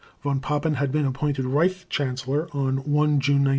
Von Papen had been appointed Reich Chancellor on 1 June 1932.